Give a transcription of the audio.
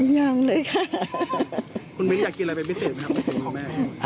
ยังเลยค่ะ